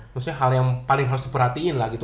maksudnya hal yang paling harus diperhatiin lah gitu